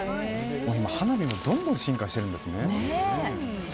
花火もどんどん進化しているんですね。